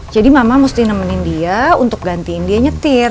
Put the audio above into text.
jadi mama mesti nemenin dia untuk gantiin dia nyetir